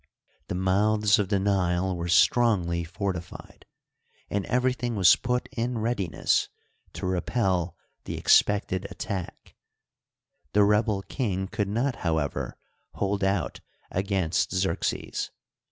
The mouths of the Nile were strongly fortified, and everything was put in readi ness to repel the expected attack. The rebel king could not, however, hold out against Xerxes.